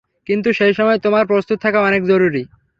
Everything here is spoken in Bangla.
কিন্তু সেই সময় তোমার প্রস্তুত থাকা অনেক জরুরি।